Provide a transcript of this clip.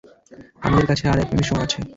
আমাদের কাছে আর এক মিনিট সময় আছে।